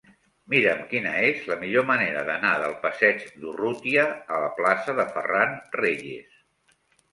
Mira'm quina és la millor manera d'anar del passeig d'Urrutia a la plaça de Ferran Reyes.